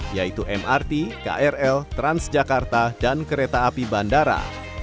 yaitu mrt krl transjakarta dan kereta api bandara